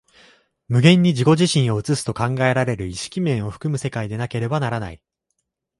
無限に自己自身を映すと考えられる意識面を含む世界でなければならない。